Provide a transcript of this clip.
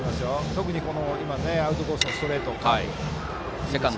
特にアウトコースのストレートカーブ。